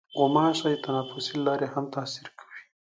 غوماشې د تنفس له لارې هم تاثیر کوي.